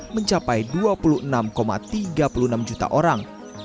mencapai dua puluh enam tiga puluh enam juta orang